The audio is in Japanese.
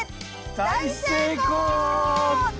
大成功！